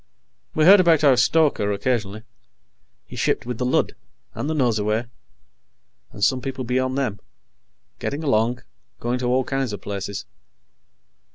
We heard about our stoker, occasionally. He shipped with the Lud, and the Nosurwey, and some people beyond them, getting along, going to all kinds of places.